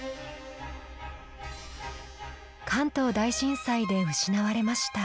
関東大震災で失われました。